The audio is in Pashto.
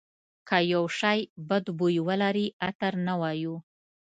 که یو شی بد بوی ولري عطر نه وایو.